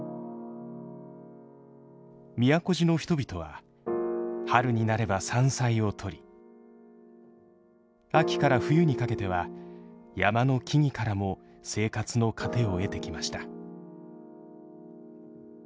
都路の人々は春になれば山菜を採り秋から冬にかけては山の木々からも生活の糧を得てきました。